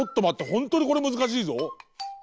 ホントにこれむずかしいぞ。